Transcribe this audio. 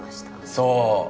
そう。